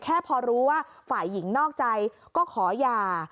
แค่พอรู้ว่าฝ่ายหญิงนอกใจก็ขอหย่า